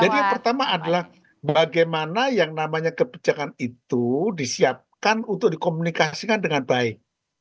jadi yang pertama adalah bagaimana yang namanya kebijakan itu disiapkan untuk dikomunikasikan dengan baik